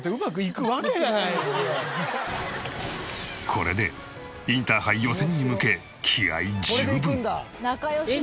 これでインターハイ予選に向け気合十分！